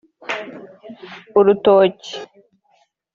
urutoki